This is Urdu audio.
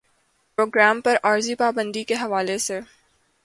پروگرام پر عارضی پابندی کے حوالے سے